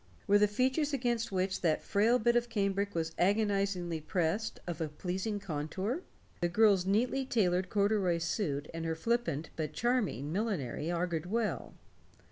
Were the features against which that frail bit of cambric was agonizingly pressed of a pleasing contour? The girl's neatly tailored corduroy suit and her flippant but charming millinery augured well.